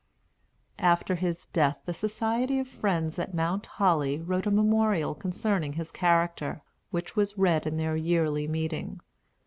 After his death, the Society of Friends at Mount Holly wrote a Memorial concerning his character, which was read in their Yearly Meeting.